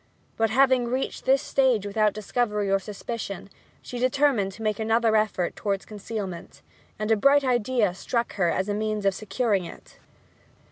But having reached this stage without discovery or suspicion, she determined to make another effort towards concealment; and a bright idea struck her as a means of securing it.